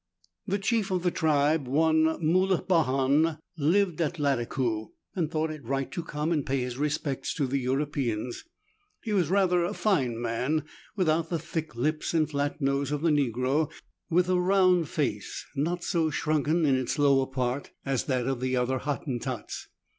The chief of the tribe, one Moulibahan, lived at Lattakoo, and thought it right to come and pay his respects to the Europeans. He was rather a fine man, without the thick lips and flat nose of the negro, with a round face not so shrunken in its lower part as that of the other Hottentots.